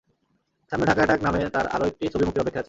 সামনে ঢাকা অ্যাটাক নামে তাঁর আরও একটি ছবি মুক্তির অপেক্ষায় আছে।